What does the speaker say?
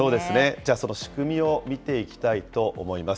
じゃあ、その仕組みを見ていきたいと思います。